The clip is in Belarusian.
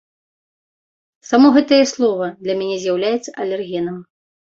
Само гэтае слова для мяне з'яўляецца алергенам.